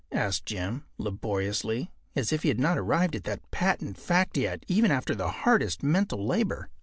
” asked Jim, laboriously, as if he had not arrived at that patent fact yet even after the hardest mental labor.